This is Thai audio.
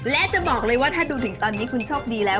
และจะบอกเลยว่าถ้าดูถึงตอนนี้คุณโชคดีแล้ว